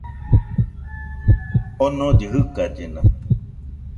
Onollɨ jɨkallena